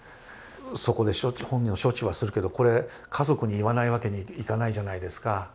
そこで本人の処置をするけどこれ家族に言わないわけにいかないじゃないですか。